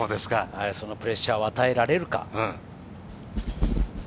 そのプレッシャーを与えられるか？